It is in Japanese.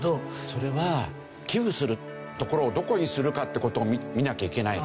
それは寄付するところをどこにするかって事を見なきゃいけない。